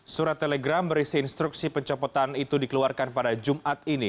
surat telegram berisi instruksi pencopotan itu dikeluarkan pada jumat ini